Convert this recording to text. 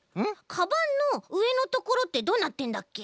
かばんのうえのところってどうなってるんだっけ？